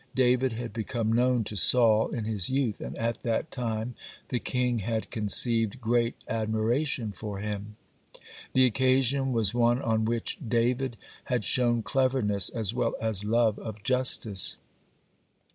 David had become known to Saul in his youth, and at that time the king had conceived great admiration for him. The occasion was one on which David had shown cleverness as well as love of justice.